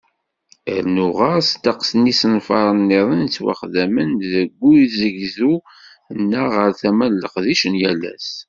Rnu ɣer-s, ddeqs n yisenfaren-nniḍen yettwaxdamen deg ugezdu-nneɣ ɣar tama n leqdic n yal ass.